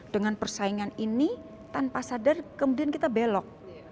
dengan persaingan ini tanpa sadar kemudian kita belok